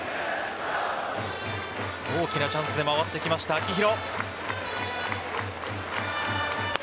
大きなチャンスで回ってきました秋広。